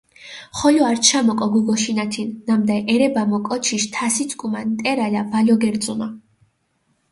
ხოლო ართშა მოკო გუგოშინათინ, ნამდა ერებამო კოჩიშ თასიწკუმა ნტერალა ვალო გერძუნა.